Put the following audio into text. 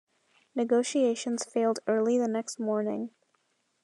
Negotiations failed early the next morning.